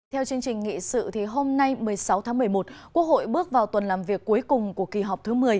theo chương trình nghị sự hôm nay một mươi sáu tháng một mươi một quốc hội bước vào tuần làm việc cuối cùng của kỳ họp thứ một mươi